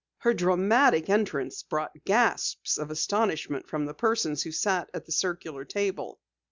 Her dramatic entrance brought gasps of astonishment from the persons who sat at the circular table.